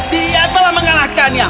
dia telah mengalahkannya